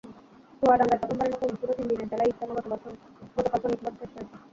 চুয়াডাঙ্গায় প্রথমবারের মতো অনুষ্ঠিত তিন দিনের জেলা ইজতেমা গতকাল শনিবার শেষ হয়েছে।